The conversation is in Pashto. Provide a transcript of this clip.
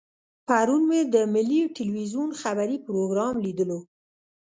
پرون مې د ملي ټلویزیون خبري پروګرام لیدلو.